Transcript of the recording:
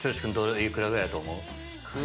幾らぐらいやと思う？